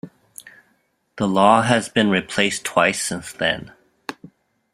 The law has been replaced twice since then.